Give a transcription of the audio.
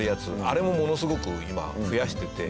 あれもものすごく今増やしてて。